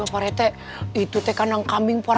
maaf maafguya terima kasih sudah di angkat pilih ular